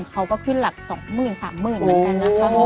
เค้าก็ขึ้นหลักสองหมื่นสามหมื่นเหมือนกันนะคะ